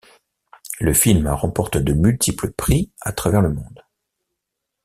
Le film remporte de multiples prix à travers le monde.